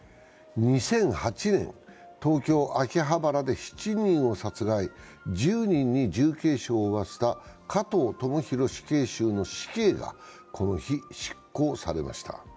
２００８年、東京・秋葉原で７人を殺害、１０人に重軽傷を負わせた加藤智大死刑囚の死刑がこの日執行されました。